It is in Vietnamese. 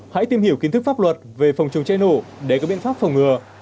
hãy tìm hiểu kiến thức pháp luật về phòng chống cháy nổ để có biện pháp phòng ngừa